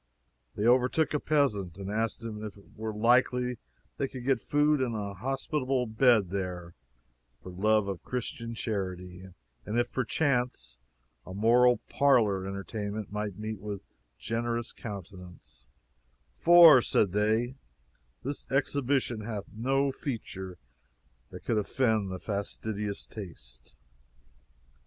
They overtook a peasant, and asked him if it were likely they could get food and a hospitable bed there, for love of Christian charity, and if perchance, a moral parlor entertainment might meet with generous countenance "for," said they, "this exhibition hath no feature that could offend the most fastidious taste."